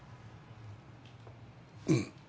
うん。